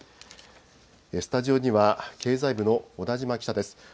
スタジオには経済部の小田島記者です。